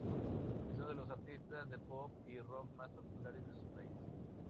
Es uno de los artistas de pop y rock más populares de su país.